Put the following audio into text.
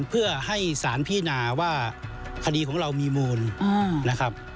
เพื่อให้สารพินาว่าคดีของเรามีมูลนะครับ